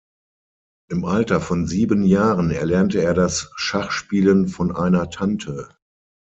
Im Alter von sieben Jahren erlernte er das Schachspielen von einer Tante.